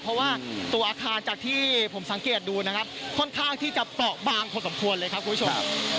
เพราะว่าตัวอาคารจากที่ผมสังเกตดูนะครับค่อนข้างที่จะเปราะบางพอสมควรเลยครับคุณผู้ชม